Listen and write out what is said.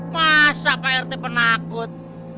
masa pak rt penakut